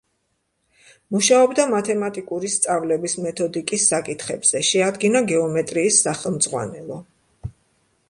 მუშაობდა მათემატიკური სწავლების მეთოდიკის საკითხებზე, შეადგინა გეომეტრიის სახელმძღვანელო.